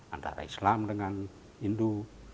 antara islam dengan hindu